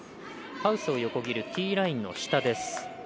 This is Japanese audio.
ハウスを横切るティーラインの下です。